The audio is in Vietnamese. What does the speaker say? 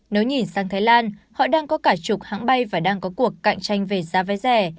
nếu nhìn sang thái lan họ đang có cả chục hãng bay và đang có cuộc cạnh tranh về giá vé rẻ